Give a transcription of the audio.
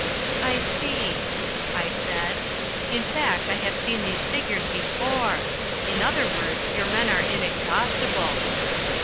"I see," I said. "In fact, I have seen these figures before. In other words, your men are inexhaustible."